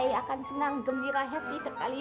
saya akan senang gembira happy sekali